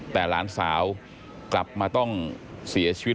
แต่หลานสาวกลับมาต้องเสียชีวิต